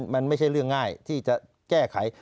มันไม่ใช่เรื่องง่ายที่จะแก้ไข